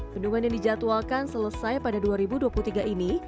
bendungan yang dijadwalkan selesai pada dua ribu dua puluh tiga ini